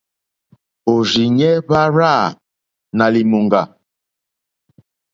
Òrzìɲɛ́ hwá rzâ nà lìmùŋɡà.